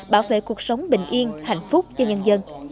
bảo vệ cuộc sống bình yên hạnh phúc cho nhân dân